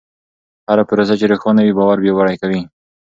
هره پروسه چې روښانه وي، باور پیاوړی کوي.